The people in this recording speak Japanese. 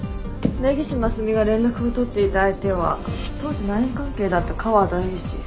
根岸真澄が連絡を取っていた相手は当時内縁関係だった河田英司。